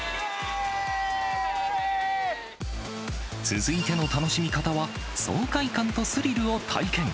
続いての楽しみ方は、爽快感とスリルを体験。